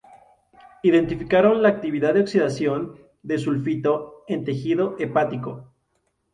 Identificaron la actividad de oxidación de sulfito en tejido hepático.